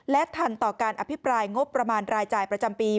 และทันต่อการอภิปรายงบประมาณรายจ่ายประจำปี